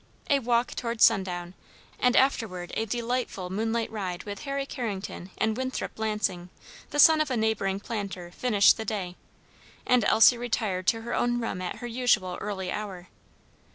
A walk toward sundown, and afterward a delightful moonlight ride with Harry Carrington and Winthrop Lansing, the son of a neighboring planter, finished the day, and Elsie retired to her own room at her usual early hour.